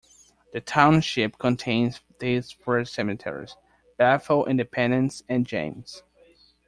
The township contains these three cemeteries: Bethel, Independence and James.